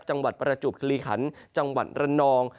จังหวัดปรจุบคลีขันฯจังหวัดระนอง